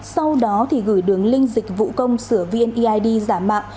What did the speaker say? sau đó gửi đường link dịch vụ công sửa vneid giả mạo